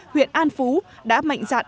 huyện an phú đã mạnh dạn